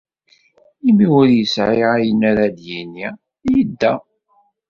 Imi ur yesɛi ayen ara d-yini, yedda.